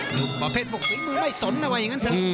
ดูประเภทปลูกศักดิ์ไม่สนไงว่างั้นเถอะ